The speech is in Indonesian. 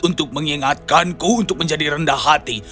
untuk mengingatkanku untuk menjadi rendah hati